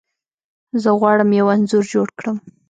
زه غواړم یو انځور جوړ کړم.